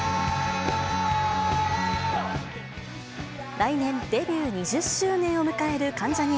来年デビュー２０周年を迎える関ジャニ∞。